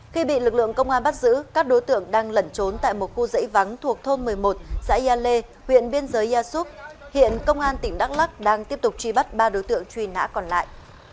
khi bị lực lượng công an bắt giữ các đối tượng đang lẩn trốn tại một khu dãy vắng thuộc thôn một mươi một xã gia lê huyện biên giới gia súc hiện công an tỉnh đắk lắc đang tiếp tục truy bắt ba đối tượng truy nã còn lại